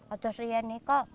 ada si ria niko